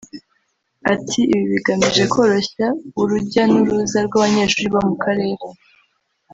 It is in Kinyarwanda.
Ati "Ibi bigamije koroshya urujya n’uruza rw’abanyeshuri bo mu karere